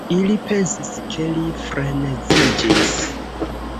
Ili pensis ke li freneziĝis.